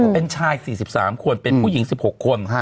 เป็นชาย๔๓คนเป็นผู้หญิง๑๖คน